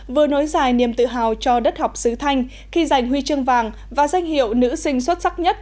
vừa nối dài niềm tự hào cho đất học sứ thanh khi giành huy chương vàng và danh hiệu nữ sinh xuất sắc nhất